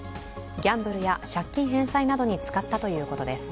ギャンブルや借金返済などに使ったということです。